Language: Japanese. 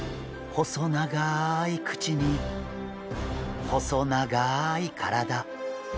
細長い口に細長い体。